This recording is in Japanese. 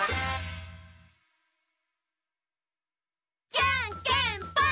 じゃんけんぽん！